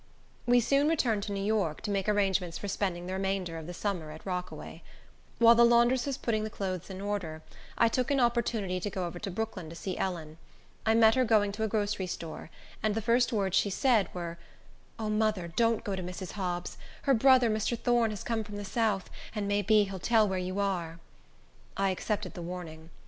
We soon returned to New York, to make arrangements for spending the remainder of the summer at Rockaway. While the laundress was putting the clothes in order, I took an opportunity to go over to Brooklyn to see Ellen. I met her going to a grocery store, and the first words she said, were, "O, mother, don't go to Mrs. Hobbs's. Her brother, Mr. Thorne, has come from the south, and may be he'll tell where you are." I accepted the warning.